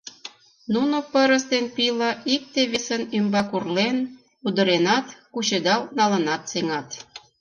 Нуно пырыс ден пийла икте-весын ӱмбак урлен-удыренат, кучедал налынат сеҥат.